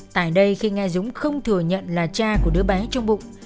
tại đây khi nghe dũng không thừa nhận là cha của đứa bé trong bụng